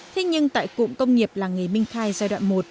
thế nhưng tại cụm công nghiệp làng nghề minh khai giai đoạn một